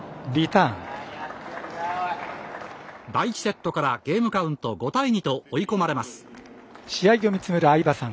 第１セットからゲームカウント５対２と追い込まれます。